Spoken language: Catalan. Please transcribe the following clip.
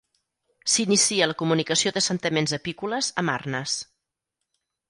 S'inicia la comunicació d'assentaments apícoles amb arnes.